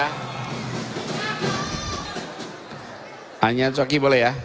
hanya coki boleh ya